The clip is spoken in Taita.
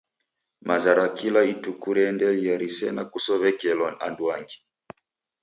Maza ra kila ituku reendelia risene kusow'ekelwa anduangi.